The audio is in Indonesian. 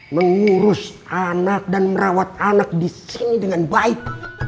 mengurus anak dan merawat anak disini dengan baik